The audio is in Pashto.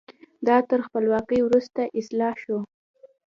دا تر خپلواکۍ وروسته اصلاح شو.